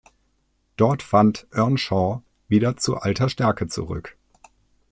Dort fand Earnshaw wieder zu alter Stärke zurück.